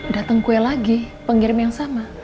datang kue lagi pengirim yang sama